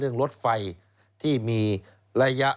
สวัสดีครับคุณผู้ชมค่ะต้อนรับเข้าที่วิทยาลัยศาสตร์